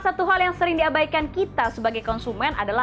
satu hal yang sering diabaikan kita sebagai konsumen adalah